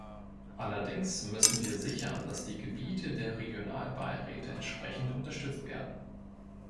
Allerdings müssen wir sichern, dass die Gebiete der Regionalbeiräte entsprechend unterstützt werden.